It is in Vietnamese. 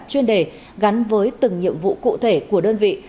chuyên đề gắn với từng nhiệm vụ cụ thể của đơn vị